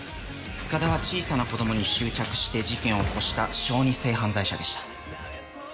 塚田は小さな子供に執着して事件を起こした小児性犯罪者でした。